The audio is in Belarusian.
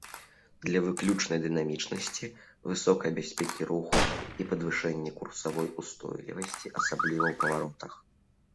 Для выключнай дынамічнасці, высокай бяспекі руху і падвышэнні курсавой устойлівасці, асабліва ў паваротах.